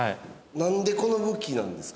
なんでこの向きなんですか？